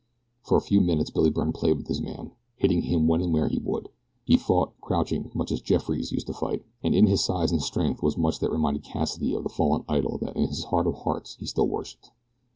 For a few minutes Billy Byrne played with his man, hitting him when and where he would. He fought, crouching, much as Jeffries used to fight, and in his size and strength was much that reminded Cassidy of the fallen idol that in his heart of hearts he still worshiped.